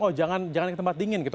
oh jangan ke tempat dingin gitu